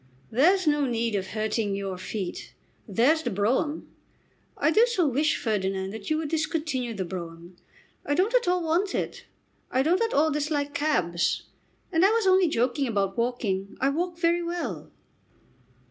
"There's no need of hurting your feet. There's the brougham." "I do so wish, Ferdinand, you would discontinue the brougham. I don't at all want it. I don't at all dislike cabs. And I was only joking about walking. I walk very well."